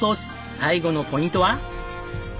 最後のポイントは？